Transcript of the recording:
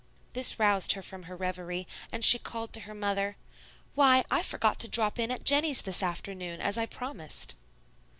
This roused her from her revery, and she called to her mother, "Why, I forgot to drop in at Jennie's this afternoon, as I promised."